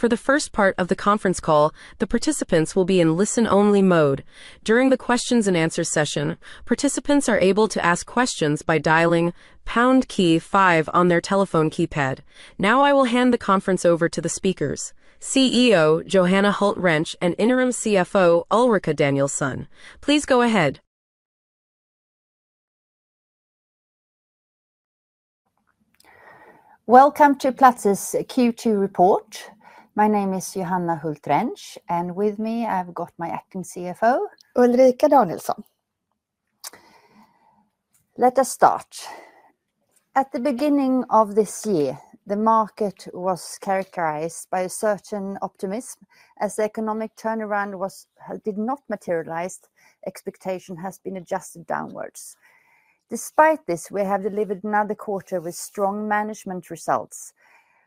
For the first part of the conference call, the participants will be in listen-only mode. During the Q&A session, participants are able to ask questions by dialing pound key five on their telephone keypad. Now I will hand the conference over to thPlae speakers: CEO Johanna Hult Rentsch and interim CFO Ulrika Danielsson. Please go ahead. Welcome to Platzer Q2 Report. My name is Johanna Hult Rentsch, and with me I've got my acting CFO, Ulrika Danielsson. Let us start. At the beginning of this year, the market was characterized by a certain optimism, as the economic turnaround did not materialize. Expectation has been adjusted downwards. Despite this, we have delivered another quarter with strong management results,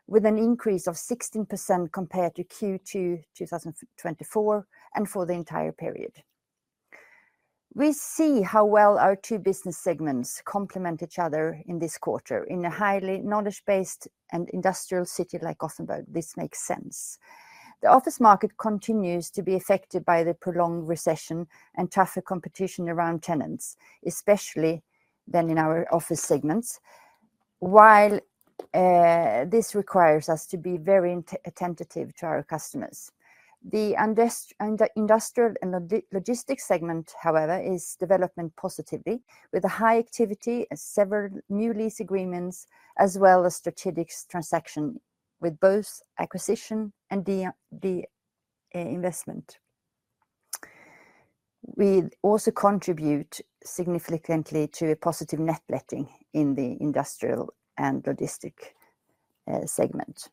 with an increase of 16% compared to Q2 2024 and for the entire period. We see how well our two business segments complement each other in this quarter. In a highly knowledge-based and industrial city like Gothenburg, this makes sense. The office market continues to be affected by the prolonged recession and tougher competition around tenants, especially in our office segments, while this requires us to be very attentive to our customers. The industrial and logistics segment, however, is developing positively, with high activity and several new lease agreements, as well as strategic transactions with both acquisition and de-investment. We also contribute significantly to positive net letting in the industrial and logistics segment.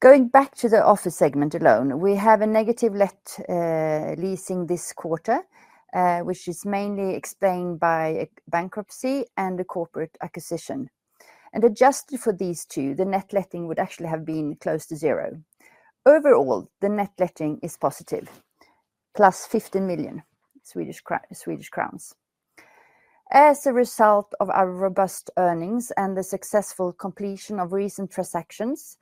Going back to the office segment alone, we have a negative net leasing this quarter, which is mainly explained by bankruptcy and a corporate acquisition. Adjusted for these two, the net letting would actually have been close to zero. Overall, the net letting is positive, plus 15 million Swedish crowns. As a result of our robust earnings and the successful completion of recent transactions,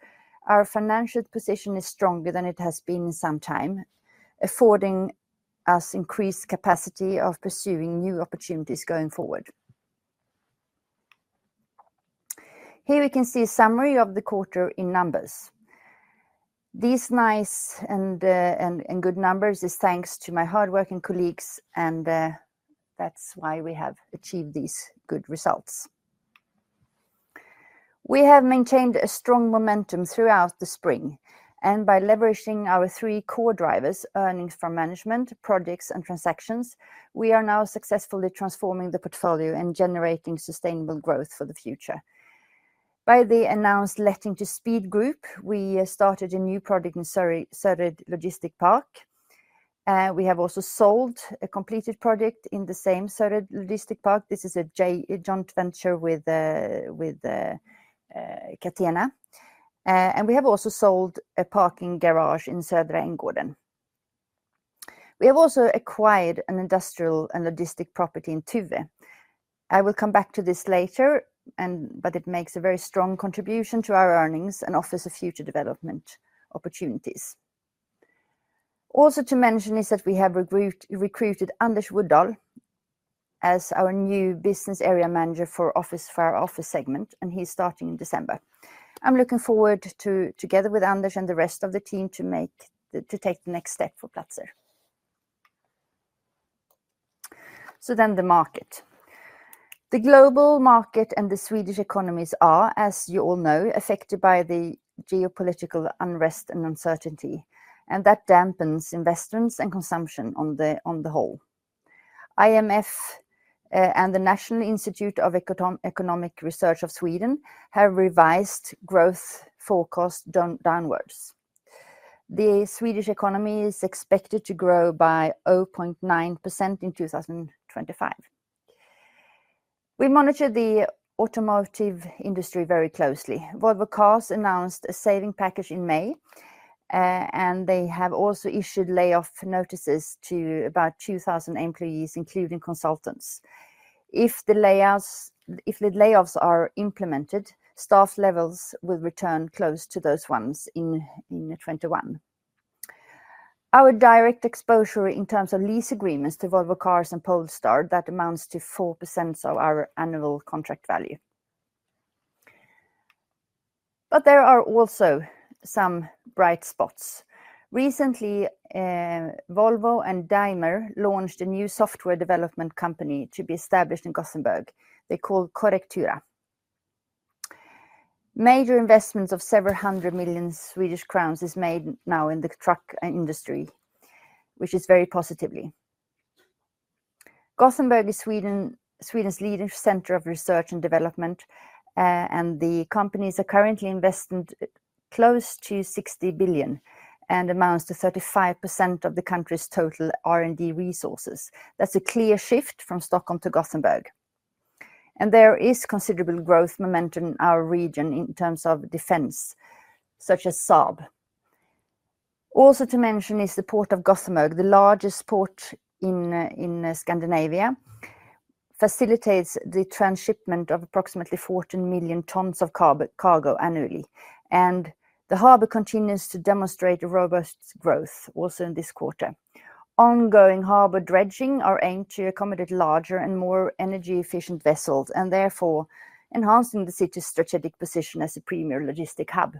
our financial position is stronger than it has been in some time, affording us increased capacity of pursuing new opportunities going forward. Here we can see a summary of the quarter in numbers. These nice and good numbers are thanks to my hardworking colleagues, and that's why we have achieved these good results. We have maintained a strong momentum throughout the spring, and by leveraging our three core drivers—earnings from management, projects, and transactions—we are now successfully transforming the portfolio and generating sustainable growth for the future. By the announced letting to Speed Group, we started a new project in Sörred Logistic Park. We have also sold a completed project in the same Sörred Logistic Park. This is a joint venture with Catena, and we have also sold a parking garage in Södra Änggården. We have also acquired an industrial and logistics property in Tuve. I will come back to this later, but it makes a very strong contribution to our earnings and offers future development opportunities. Also to mention is that we have recruited Anders Woodall as our new Business Area Manager for our office segment, and he's starting in December. I'm looking forward to, together with Anders and the rest of the team, to take the next step for Platzer. The market. The global market and the Swedish economies are, as you all know, affected by the geopolitical unrest and uncertainty, and that dampens investments and consumption on the whole. IMF and the National Institute of Economic Research of Sweden have revised growth forecasts downwards. The Swedish economy is expected to grow by 0.9% in 2025. We monitor the automotive industry very closely. Volvo Cars announced a saving package in May, and they have also issued layoff notices to about 2,000 employees, including consultants. If the layoffs are implemented, staff levels will return close to those ones in 2021. Our direct exposure in terms of lease agreements to Volvo Cars and Polestar amounts to 4% of our annual contract value. There are also some bright spots. Recently, Volvo and Daimler launched a new software development company to be established in Gothenburg. They're called Coretura. Major investments of several hundred million Swedish kronor are made now in the truck industry, which is very positive. Gothenburg is Sweden's leading center of research and development, and the companies are currently investing close to 60 billion and amount to 35% of the country's total R&D resources. That is a clear shift from Stockholm to Gothenburg. There is considerable growth momentum in our region in terms of defense, such as Saab. Also to mention is the Port of Gothenburg, the largest port in Scandinavia, which facilitates the transshipment of approximately 14 million tons of cargo annually. The harbor continues to demonstrate robust growth also in this quarter. Ongoing harbor dredging is aimed to accommodate larger and more energy-efficient vessels, therefore enhancing the city's strategic position as a premier logistic hub.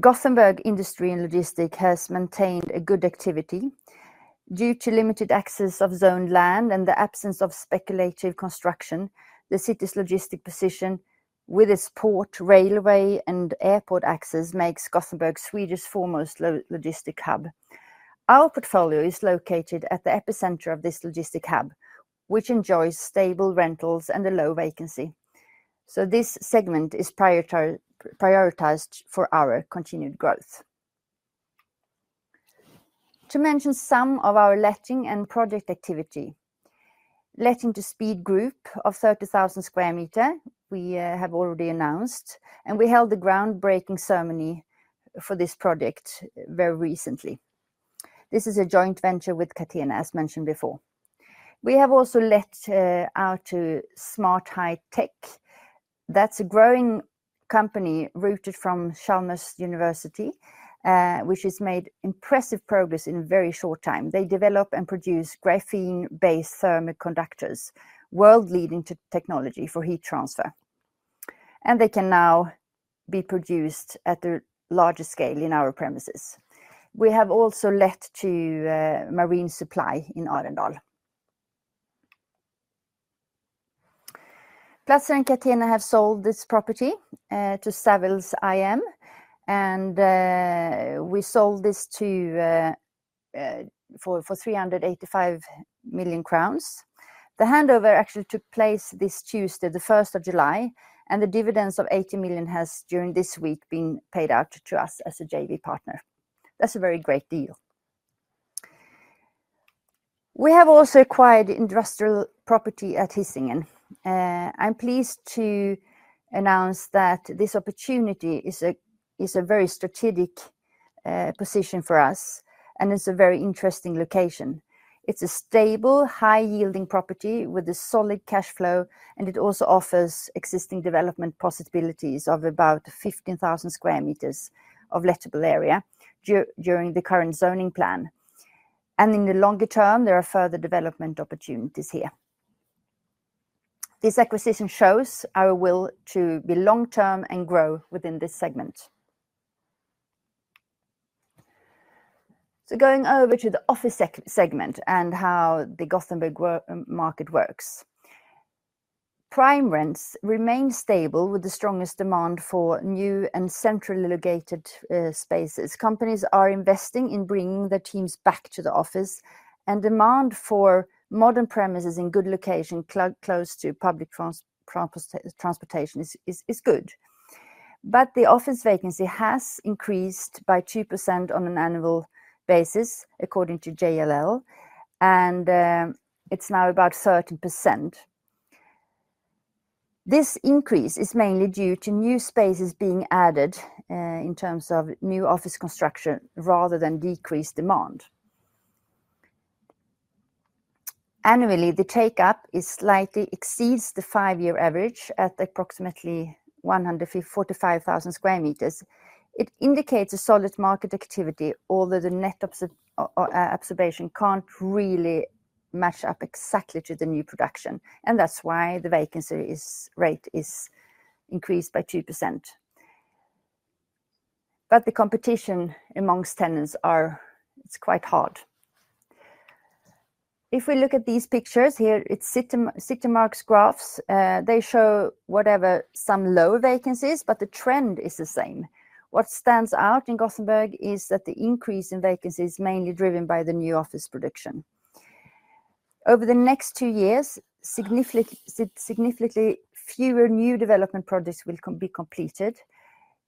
Gothenburg industry and logistics have maintained good activity. Due to limited access of zoned land and the absence of speculative construction, the city's logistic position, with its port, railway, and airport access, makes Gothenburg Sweden's foremost logistic hub. Our portfolio is located at the epicenter of this logistic hub, which enjoys stable rentals and a low vacancy. This segment is prioritized for our continued growth. To mention some of our letting and project activity: letting to Speed Group of 30,000 sq m we have already announced, and we held the groundbreaking ceremony for this project very recently. This is a joint venture with Catena, as mentioned before. We have also let out to Smart High Tech. That's a growing company rooted from Chalmers University of Technology, which has made impressive progress in a very short time. They develop and produce graphene-based thermal conductors, world-leading technology for heat transfer. They can now be produced at a larger scale in our premises. We have also let to Marine Supply in Arendal. Platzer and Catena have sold this property to Savills IM, and we sold this for 385 million crowns. The handover actually took place this Tuesday, the 1st of July, and the dividends of 80 million have during this week been paid out to us as a JV partner. That's a very great deal. We have also acquired industrial property at Hisingen. I'm pleased to announce that this opportunity is a very strategic position for us, and it's a very interesting location. It's a stable, high-yielding property with a solid cash flow, and it also offers existing development possibilities of about 15,000 sq m of lettable area during the current zoning plan. In the longer term, there are further development opportunities here. This acquisition shows our will to be long-term and grow within this segment. Going over to the office segment and how the Gothenburg market works. Prime rents remain stable with the strongest demand for new and centrally located spaces. Companies are investing in bringing their teams back to the office, and demand for modern premises in good location close to public transportation is good. The office vacancy has increased by 2% on an annual basis, according to JLL, and it's now about 13%. This increase is mainly due to new spaces being added in terms of new office construction rather than decreased demand. Annually, the take-up slightly exceeds the five-year average at approximately 145,000 sq m. It indicates a solid market activity, although the net observation cannot really match up exactly to the new production, and that is why the vacancy rate is increased by 2%. The competition amongst tenants is quite hard. If we look at these pictures here, it is CityMark's graphs. They show whatever some low vacancies, but the trend is the same. What stands out in Gothenburg is that the increase in vacancy is mainly driven by the new office production. Over the next two years, significantly fewer new development projects will be completed.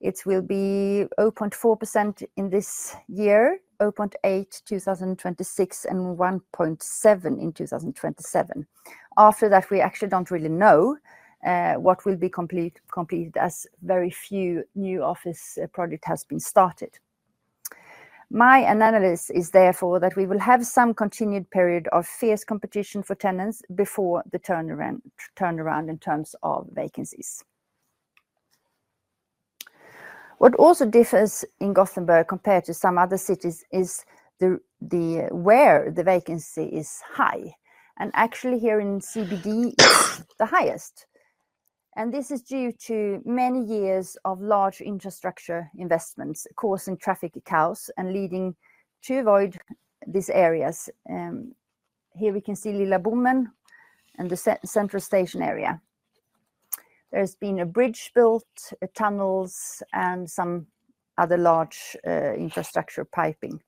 It will be 0.4% in this year, 0.8% in 2026, and 1.7% in 2027. After that, we actually do not really know what will be completed as very few new office projects have been started. My analysis is therefore that we will have some continued period of fierce competition for tenants before the turnaround in terms of vacancies. What also differs in Gothenburg compared to some other cities is where the vacancy is high, and actually here in CBD, the highest. This is due to many years of large infrastructure investments causing traffic chaos and leading to avoid these areas. Here we can see Lillabommen and the central station area. There has been a bridge built, tunnels, and some other large infrastructure piping.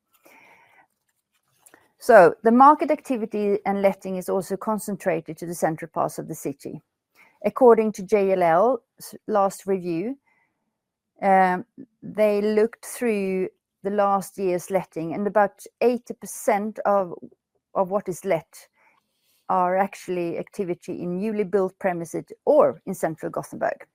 The market activity and letting is also concentrated to the central parts of the city. According to JLL's last review, they looked through the last year's letting, and about 80% of what is let are actually activity in newly built premises or in central Gothenburg.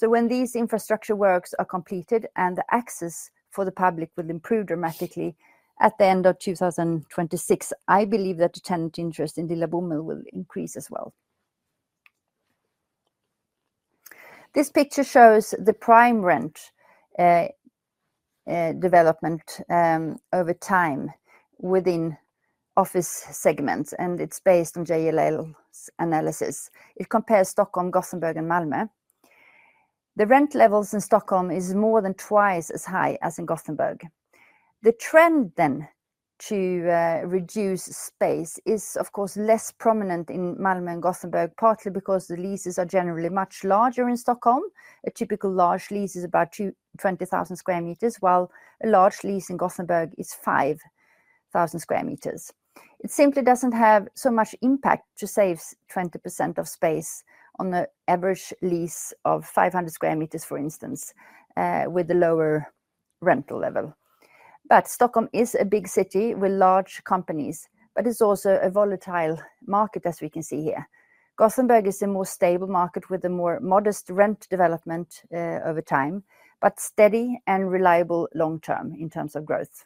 When these infrastructure works are completed and the access for the public will improve dramatically at the end of 2026, I believe that the tenant interest in Lilla Bommen will increase as well. This picture shows the prime rent development over time within office segments, and it is based on JLL's analysis. It compares Stockholm, Gothenburg, and Malmö. The rent levels in Stockholm are more than twice as high as in Gothenburg. The trend then to reduce space is, of course, less prominent in Malmö and Gothenburg, partly because the leases are generally much larger in Stockholm. A typical large lease is about 20,000 sq m, while a large lease in Gothenburg is 5,000 sq m. It simply does not have so much impact to save 20% of space on the average lease of 500 sq m, for instance, with the lower rental level. Stockholm is a big city with large companies, but it's also a volatile market, as we can see here. Gothenburg is the more stable market with the more modest rent development over time, but steady and reliable long-term in terms of growth.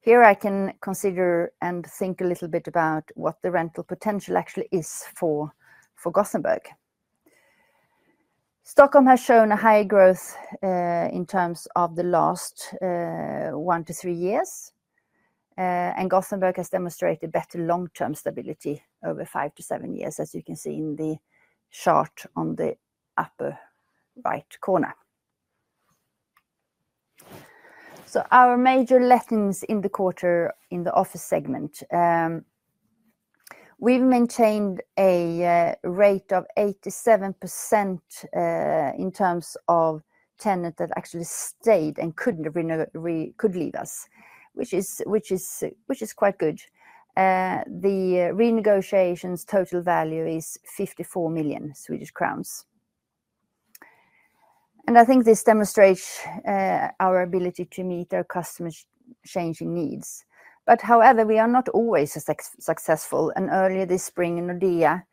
Here I can consider and think a little bit about what the rental potential actually is for Gothenburg. Stockholm has shown a high growth in terms of the last one to three years, and Gothenburg has demonstrated better long-term stability over five to seven years, as you can see in the chart on the upper right corner. Our major lettings in the quarter in the office segment, we've maintained a rate of 87% in terms of tenants that actually stayed and could leave us, which is quite good. The renegotiation's total value is SEK 54 million. I think this demonstrates our ability to meet our customers' changing needs. However, we are not always successful. Earlier this spring, Nordea,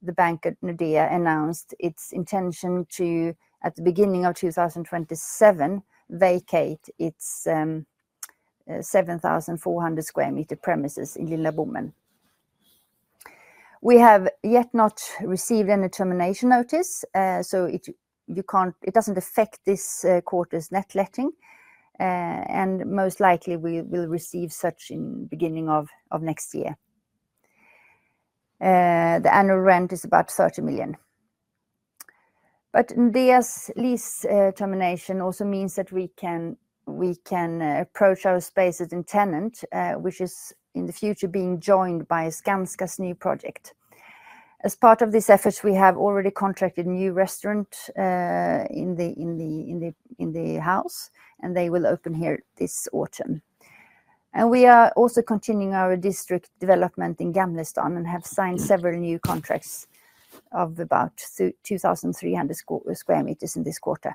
the bank, announced its intention to, at the beginning of 2027, vacate its 7,400 sq m premises in Lillabommen. We have yet not received any termination notice, so it does not affect this quarter's net letting, and most likely we will receive such in the beginning of next year. The annual rent is about 30 million. Nordea's lease termination also means that we can approach our spaces in tenant, which is in the future being joined by Skanska's new project. As part of these efforts, we have already contracted a new restaurant in the house, and they will open here this autumn. We are also continuing our district development in Gamlestaden and have signed several new contracts of about 2,300 sq m in this quarter.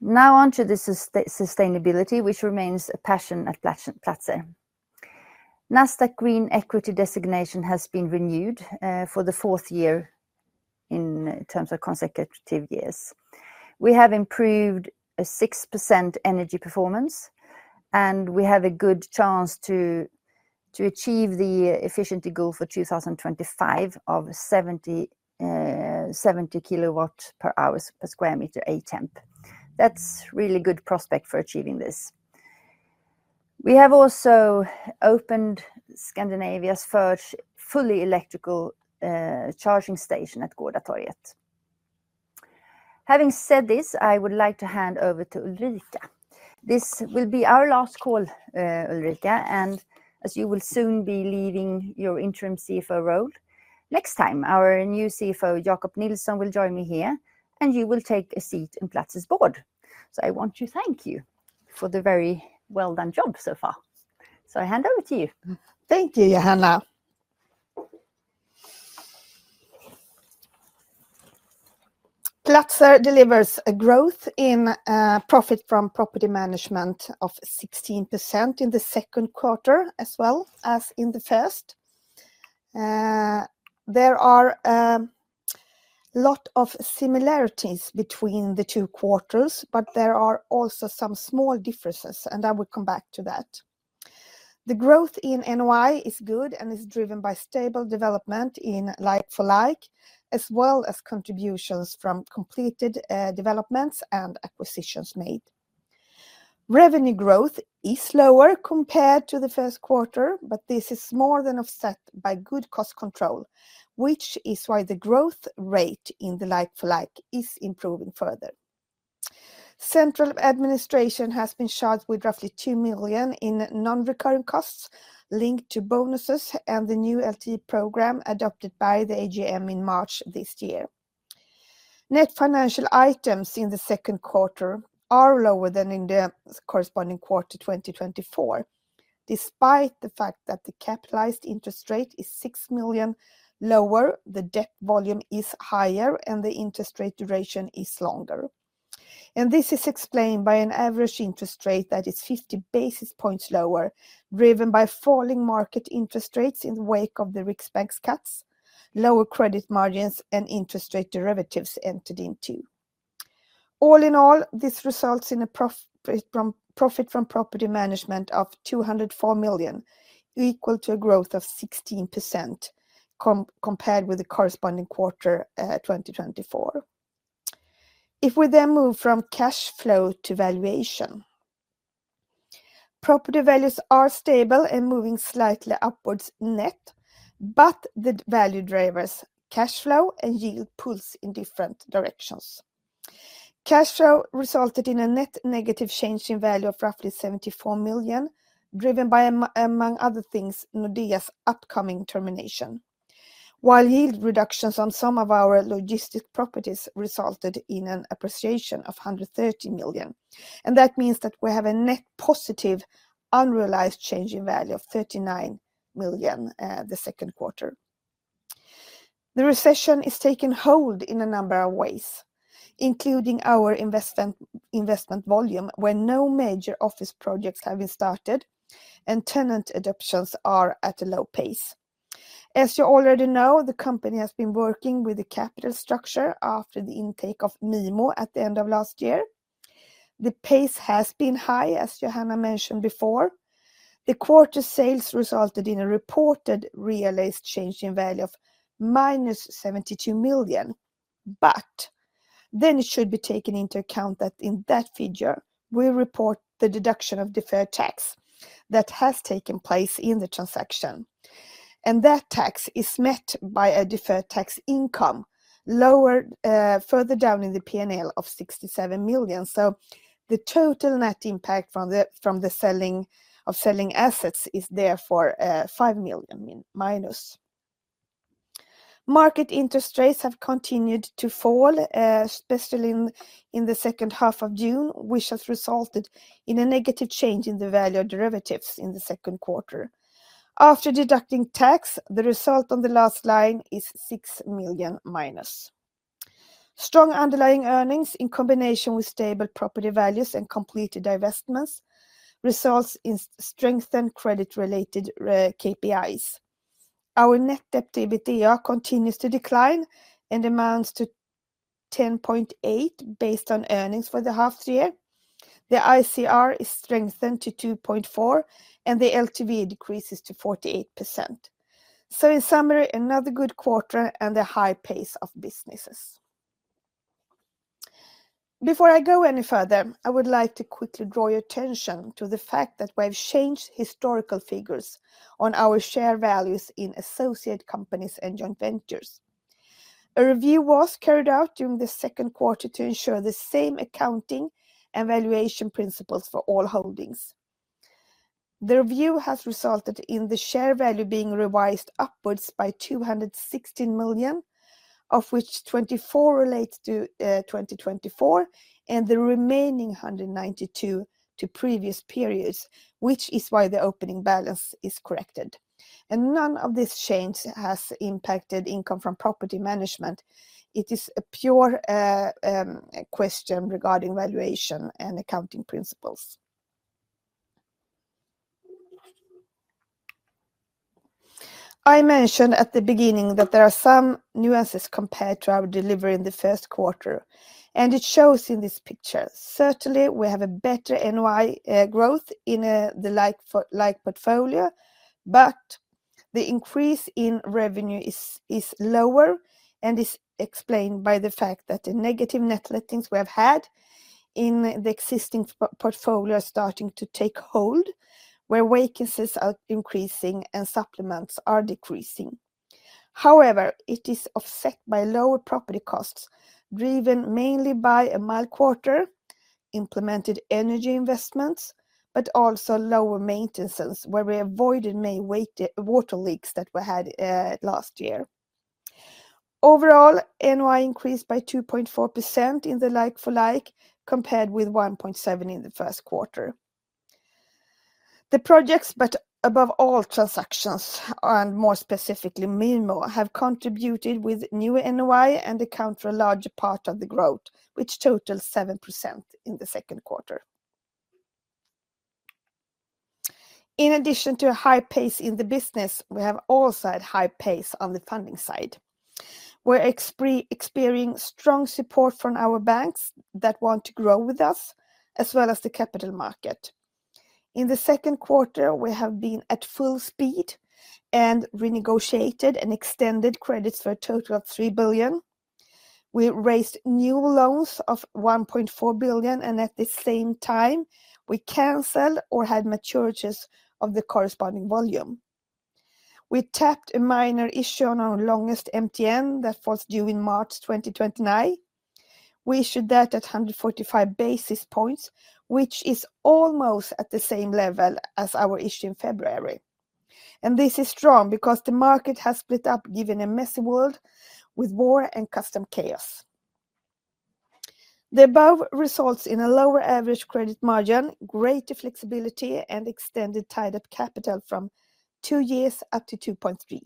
Now on to the sustainability, which remains a passion at Platzer. Nasdaq Green Equity designation has been renewed for the fourth year in terms of consecutive years. We have improved 6% energy performance, and we have a good chance to achieve the efficiency goal for 2025 of 70 kWh per sq m Atemp. That is a really good prospect for achieving this. We have also opened Scandinavia's first fully electrical charging station at Gårdatorget. Having said this, I would like to hand over to Ulrika. This will be our last call, Ulrika, and as you will soon be leaving your interim CFO role, next time our new CFO, Jakob Nilsson, will join me here, and you will take a seat in Platzer's board. I want to thank you for the very well-done job so far. I hand over to you. Thank you, Johanna. Platzer delivers a growth in profit from property management of 16% in the second quarter as well as in the first. There are a lot of similarities between the two quarters, but there are also some small differences, and I will come back to that. The growth in NOI is good and is driven by stable development in like-for-like, as well as contributions from completed developments and acquisitions made. Revenue growth is slower compared to the first quarter, but this is more than offset by good cost control, which is why the growth rate in the like-for-like is improving further. Central administration has been shot with roughly 2 million in non-recurring costs linked to bonuses and the new LTIP program adopted by the AGM in March this year. Net financial items in the second quarter are lower than in the corresponding quarter 2024. Despite the fact that the capitalized interest rate is 6 million lower, the debt volume is higher, and the interest rate duration is longer. This is explained by an average interest rate that is 50 basis points lower, driven by falling market interest rates in the wake of the Riksbank's cuts, lower credit margins, and interest rate derivatives entered into. All in all, this results in a profit from property management of 204 million, equal to a growth of 16% compared with the corresponding quarter 2024. If we then move from cash flow to valuation, property values are stable and moving slightly upwards net, but the value drivers, cash flow and yield, pull in different directions. Cash flow resulted in a net negative change in value of roughly 74 million, driven by, among other things, Nordea's upcoming termination, while yield reductions on some of our logistic properties resulted in an appreciation of 130 million. That means that we have a net positive unrealized change in value of 39 million the second quarter. The recession is taking hold in a number of ways, including our investment volume, where no major office projects have been started, and tenant adoptions are at a low pace. As you already know, the company has been working with the capital structure after the intake of MIMO at the end of last year. The pace has been high, as Johanna mentioned before. The quarter sales resulted in a reported realized change in value of minus 72 million. Then it should be taken into account that in that figure, we report the deduction of deferred tax that has taken place in the transaction. That tax is met by a deferred tax income further down in the P&L of 67 million. The total net impact from the selling of selling assets is therefore 5 million minus. Market interest rates have continued to fall, especially in the second half of June, which has resulted in a negative change in the value of derivatives in the second quarter. After deducting tax, the result on the last line is 6 million minus. Strong underlying earnings in combination with stable property values and completed divestments results in strengthened credit-related KPIs. Our net debt to EBITDA continues to decline and amounts to 10.8 based on earnings for the half-year. The ICR is strengthened to 2.4, and the LTV decreases to 48%. In summary, another good quarter and a high pace of businesses. Before I go any further, I would like to quickly draw your attention to the fact that we have changed historical figures on our share values in associate companies and joint ventures. A review was carried out during the second quarter to ensure the same accounting and valuation principles for all holdings. The review has resulted in the share value being revised upwards by 216 million, of which 24 million relate to 2024 and the remaining 192 million to previous periods, which is why the opening balance is corrected. None of these changes has impacted income from property management. It is a pure question regarding valuation and accounting principles. I mentioned at the beginning that there are some nuances compared to our delivery in the first quarter, and it shows in this picture. Certainly, we have a better NOI growth in the like portfolio, but the increase in revenue is lower and is explained by the fact that the negative net lettings we have had in the existing portfolio are starting to take hold, where vacancies are increasing and supplements are decreasing. However, it is offset by lower property costs driven mainly by a mild quarter, implemented energy investments, but also lower maintenance, where we avoided many water leaks that we had last year. Overall, NOI increased by 2.4% in the like-for-like compared with 1.7% in the first quarter. The projects, but above all, transactions, and more specifically MIMO, have contributed with new NOI and account for a larger part of the growth, which totals 7% in the second quarter. In addition to a high pace in the business, we have also had a high pace on the funding side. We're experiencing strong support from our banks that want to grow with us, as well as the capital market. In the second quarter, we have been at full speed and renegotiated and extended credits for a total of 3 billion. We raised new loans of 1.4 billion, and at the same time, we canceled or had maturities of the corresponding volume. We tapped a minor issue on our longest MTN that falls due in March 2029. We issued that at 145 basis points, which is almost at the same level as our issue in February. This is strong because the market has split up, given a messy world with war and customs chaos. The above results in a lower average credit margin, greater flexibility, and extended tied-up capital from two years up to 2.3.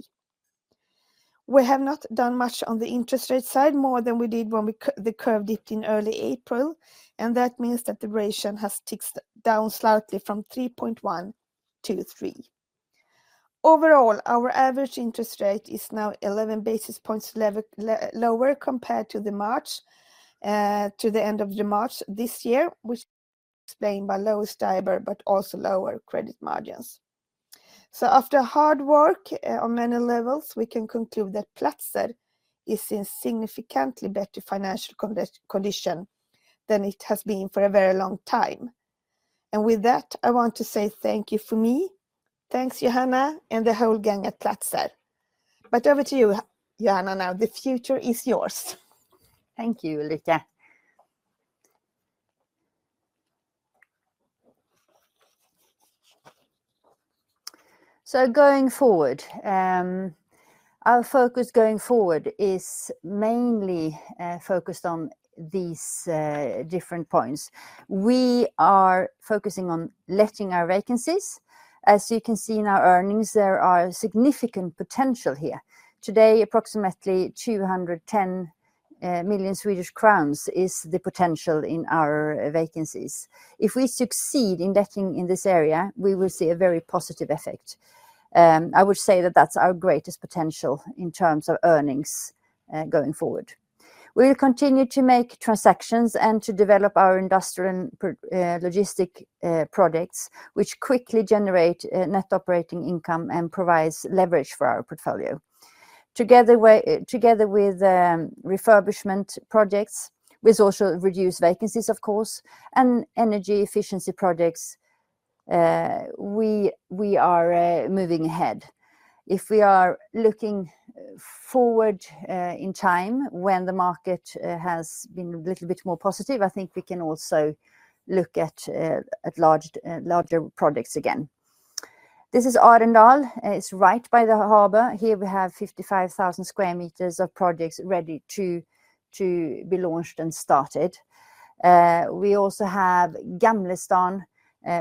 We have not done much on the interest rate side more than we did when the curve dipped in early April, and that means that the ratio has ticked down slightly from 3.1 to 3. Overall, our average interest rate is now 11 basis points lower compared to the end of March this year, which is explained by lower cyber, but also lower credit margins. After hard work on many levels, we can conclude that Platzer is in significantly better financial condition than it has been for a very long time. With that, I want to say thank you for me. Thanks, Johanna, and the whole gang at Platzer. Over to you, Johanna, now. The future is yours. Thank you, Ulrika. Going forward, our focus going forward is mainly focused on these different points. We are focusing on letting our vacancies. As you can see in our earnings, there is significant potential here. Today, approximately 210 million Swedish crowns is the potential in our vacancies. If we succeed in letting in this area, we will see a very positive effect. I would say that that's our greatest potential in terms of earnings going forward. We will continue to make transactions and to develop our industrial and logistics projects, which quickly generate net operating income and provide leverage for our portfolio. Together with refurbishment projects, we also reduce vacancies, of course, and energy efficiency projects. We are moving ahead. If we are looking forward in time, when the market has been a little bit more positive, I think we can also look at larger projects again. This is Arendal. It is right by the harbor. Here we have 55,000 sq m of projects ready to be launched and started. We also have Gamlestaden,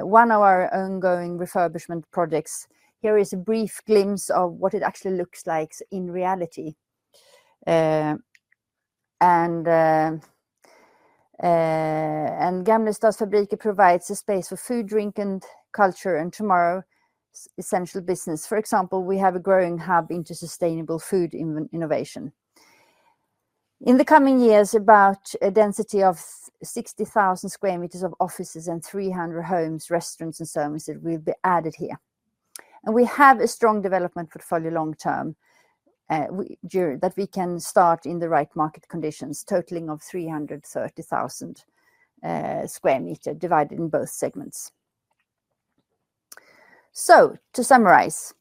one of our ongoing refurbishment projects. Here is a brief glimpse of what it actually looks like in reality. Gamlestaden's fabric provides a space for food, drink, and culture, and tomorrow, essential business. For example, we have a growing hub into sustainable food innovation. In the coming years, about a density of 60,000 sq m of offices and 300 homes, restaurants, and services will be added here. We have a strong development portfolio long term that we can start in the right market conditions, totaling 330,000 sq m divided in both segments. To summarize,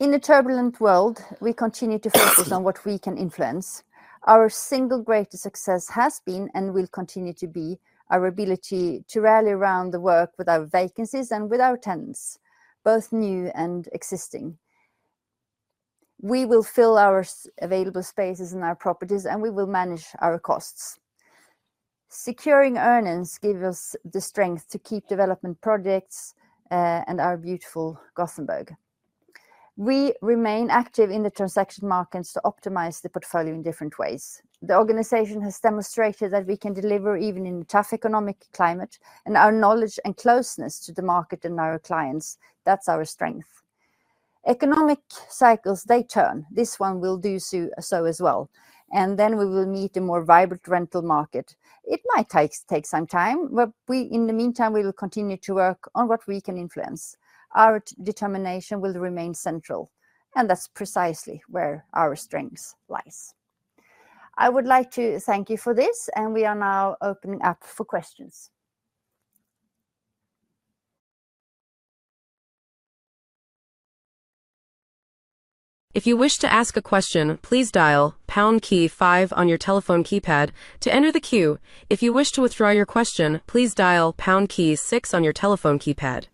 in a turbulent world, we continue to focus on what we can influence. Our single greatest success has been and will continue to be our ability to rally around the work with our vacancies and with our tenants, both new and existing. We will fill our available spaces in our properties, and we will manage our costs. Securing earnings gives us the strength to keep development projects and our beautiful Gothenburg. We remain active in the transaction markets to optimize the portfolio in different ways. The organization has demonstrated that we can deliver even in a tough economic climate, and our knowledge and closeness to the market and our clients, that's our strength. Economic cycles, they turn. This one will do so as well. We will meet a more vibrant rental market. It might take some time, but in the meantime, we will continue to work on what we can influence. Our determination will remain central, and that's precisely where our strength lies. I would like to thank you for this, and we are now opening up for questions. If you wish to ask a question, please dial pound key five on your telephone keypad to enter the queue. If you wish to withdraw your question, please dial pound key six on your telephone keypad.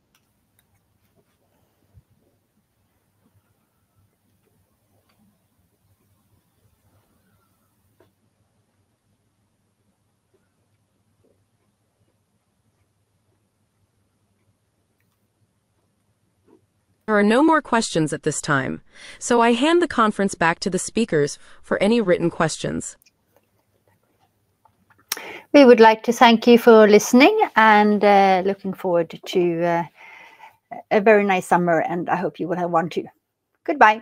There are no more questions at this time, so I hand the conference back to the speakers for any written questions. We would like to thank you for listening and looking forward to a very nice summer, and I hope you will have one too. Goodbye.